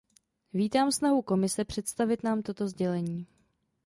Vítám snahu Komise představit nám toto sdělení.